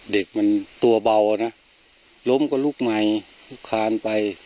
เด็กมันตัวเบานะล้มกว่าลูกใหม่ลูกคานไป